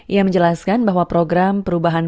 ia menjelaskan bahwa program perubahan